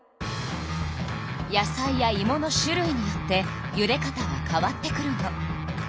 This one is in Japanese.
野菜やいもの種類によってゆで方は変わってくるの。